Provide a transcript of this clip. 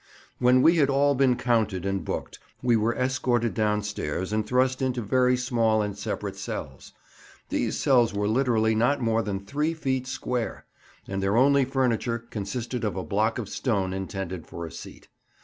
When we had all been counted and booked, we were escorted downstairs and thrust into very small and separate cells. These cells were literally not more than three feet square, and their only furniture consisted of a block of stone intended for a seat.